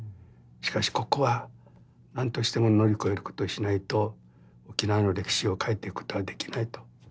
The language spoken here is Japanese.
しかしここは何としても乗り越えることをしないと沖縄の歴史を変えていくことはできないと。